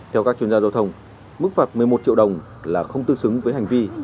theo các chuyên gia giao thông mức phạt một mươi một triệu đồng là không tương xứng với hành vi